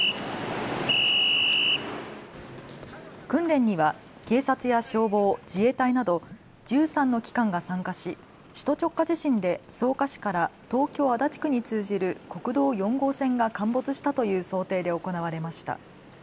訓練には警察や消防、自衛隊など１３の機関が参加し首都直下地震で草加市から東京足立区に通じる国道４号線が陥没したという想定で行われました。